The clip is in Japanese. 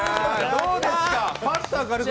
どうですか！